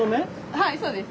はいそうです。